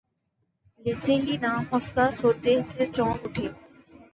لیتے ہی نام اس کا سوتے سے چونک اٹھے